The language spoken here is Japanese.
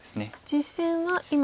実戦は今。